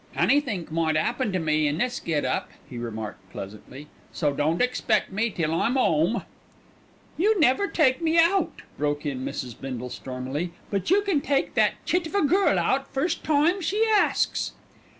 "Anythink might 'appen to me in this get up," he remarked pleasantly, "so don't expect me till I'm 'ome " "You never take me out," broke in Mrs. Bindle stormily, "but you can take that chit of a girl out first time she asks."